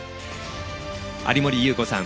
有森裕子さん